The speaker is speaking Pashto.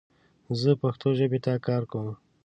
زه پښتو ژبې ته کار کوم